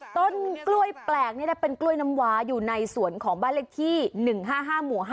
ต้นกล้วยแปลกเป็นกล้วยน้ำวาอยู่ในสวนของบ้านเลขที่๑๕๕หมู่๕